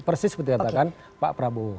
persis seperti yang katakan pak prabowo